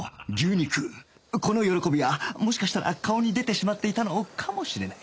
この喜びはもしかしたら顔に出てしまっていたのかもしれない